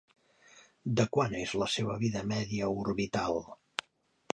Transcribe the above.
De quant és la seva vida-media orbital?